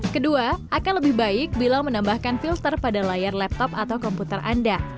kedua akan lebih baik bila menambahkan filter pada layar laptop atau komputer anda